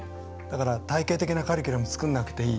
体系的なカリキュラム作らなくてもいい。